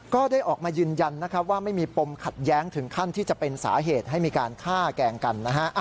ก็ได้ออกมายืนยันนะครับว่าไม่มีปมขัดแย้งถึงขั้นที่จะเป็นสาเหตุให้มีการฆ่าแกล้งกันนะฮะ